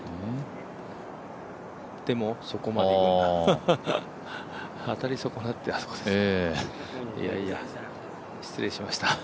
でもそこまでいくんだ、当たり損なってあそこか、いやいや、失礼しました。